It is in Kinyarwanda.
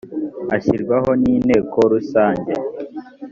ashyirwaho n’inteko rusange